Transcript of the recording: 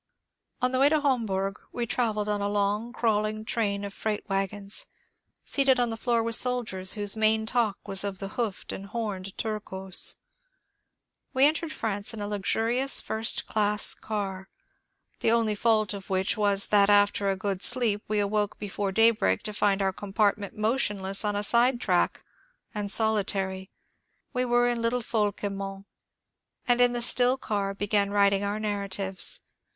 On the way to Homburg we travelled on a long, crawling train of freight wagons, seated on the floor with soldiers whose main talk was of the hoofed and homed Turcos. We entered France in a luxurious first class car, the only fault of which was that after a good sleep we awoke before daybreak to find our com partment motionless on a side track and solitary. We were in little Faulquemont ; and in the still car began writing our narratives.